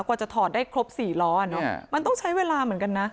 กว่าจะถอดได้ครบ๔ล้อมันต้องใช้เวลาเหมือนกันนะ